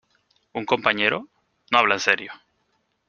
¿ Un compañero? No habla en serio.